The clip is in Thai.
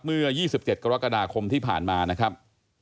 เมื่อ๒๗กรกฎาคมที่ผ่านมานะครับ